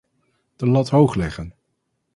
De lat hoog leggen.